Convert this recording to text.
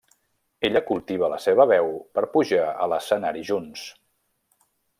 Ella cultiva la seva veu per pujar a l'escenari junts.